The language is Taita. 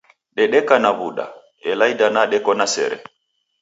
Dedeka na w'uda, ela idana deko na sere.